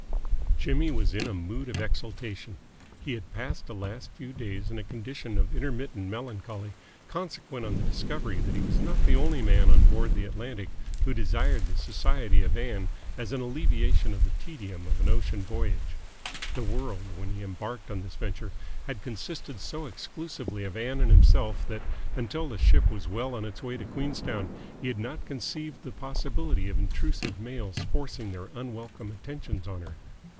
Jimmy was in a mood of exaltation. He had passed the last few days in a condition of intermittent melancholy, consequent on the discovery that he was not the only man on board the Atlantic who desired the society of Ann as an alleviation of the tedium of an ocean voyage. The world, when he embarked on this venture, had consisted so exclusively of Ann and himself that, until the ship was well on its way to Queenstown, he had not conceived the possibility of intrusive males forcing their unwelcome attentions on her.